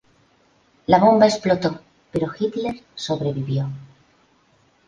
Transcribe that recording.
La bomba explotó, pero Hitler sobrevivió.